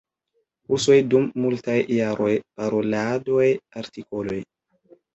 Kursoj dum multaj jaroj, paroladoj, artikoloj.